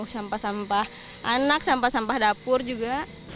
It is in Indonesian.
sampah sampah anak sampah sampah dapur juga